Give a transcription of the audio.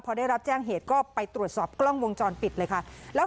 พอได้รับแจ้งเหตุก็ไปตรวจสอบกล้องวงจรปิดเลยค่ะแล้ว